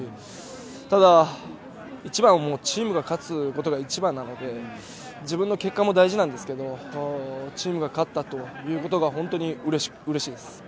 ただ一番はチームが勝つことなので、自分の結果も大事ですけど、チームが勝ったということが本当にうれしいです。